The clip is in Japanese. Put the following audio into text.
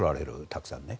たくさんね。